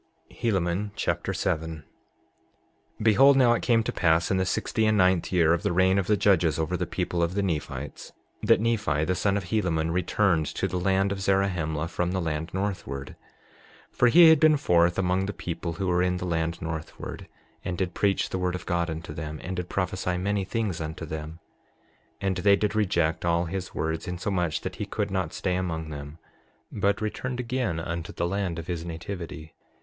Helaman Chapter 7 7:1 Behold, now it came to pass in the sixty and ninth year of the reign of the judges over the people of the Nephites, that Nephi, the son of Helaman, returned to the land of Zarahemla from the land northward. 7:2 For he had been forth among the people who were in the land northward, and did preach the word of God unto them, and did prophesy many things unto them; 7:3 And they did reject all his words, insomuch that he could not stay among them, but returned again unto the land of his nativity.